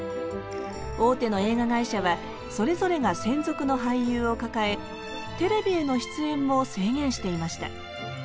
大手の映画会社はそれぞれが専属の俳優を抱えテレビへの出演も制限していました。